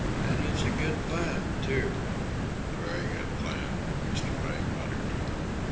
And it's a good plan, too." "A very good plan," Mr. Pike muttered.